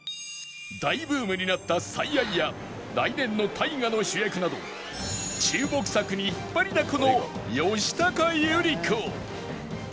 大ブームになった『最愛』や来年の大河の主役など注目作に引っ張りだこの吉高由里子